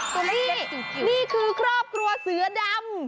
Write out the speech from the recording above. ตัวเลขนี่คือครอบครัวเสือดำ